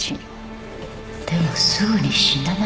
でもすぐに死なないらしい